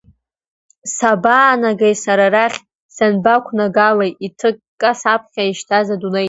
Сабаанагеи сара арахь, санбақәнагалеи иҭыкка саԥхьа ишьҭаз адунеи?